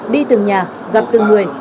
đi từng nhà gặp từng người